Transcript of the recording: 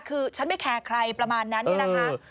คือฉันไม่แคร์ใครประมาณนั้นเนี่ยนะคะ